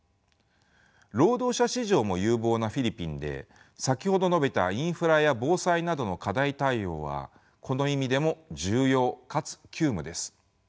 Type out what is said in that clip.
労働者市場も有望なフィリピンで先ほど述べたインフラや防災などの課題対応はこの意味でも重要かつ急務です。